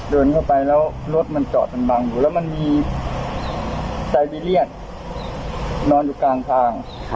เดินเข้าไปแล้วรถมันจอดมันบังอยู่แล้วมันมีไซเบีเรียนนอนอยู่กลางทาง